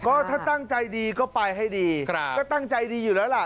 ก็ถ้าตั้งใจดีก็ไปให้ดีก็ตั้งใจดีอยู่แล้วล่ะ